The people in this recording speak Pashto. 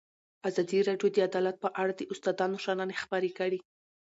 ازادي راډیو د عدالت په اړه د استادانو شننې خپرې کړي.